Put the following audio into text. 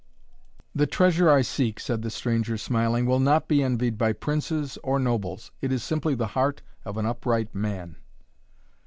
"The treasure I seek," said the stranger, smiling, "will not be envied by princes or nobles, it is simply the heart of an upright man."